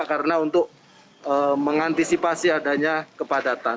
karena untuk mengantisipasi adanya kepadatan